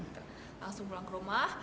langsung pulang ke rumah